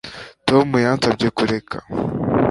Tom yansabye kureka